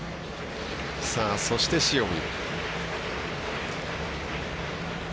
そして、塩見。